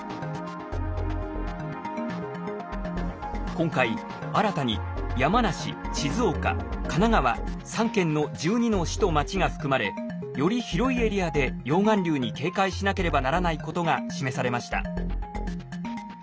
今回新たに山梨静岡神奈川３県の１２の市と町が含まれより広いエリアで溶岩流に警戒しなければならないことが示されました。